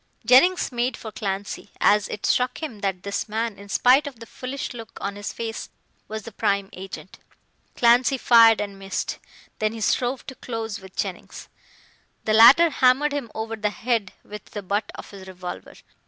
Jennings made for Clancy, as it struck him that this man, in spite of the foolish look on his face, was the prime agent. Clancy fired and missed. Then he strove to close with Jennings. The latter hammered him over the head with the butt of his revolver.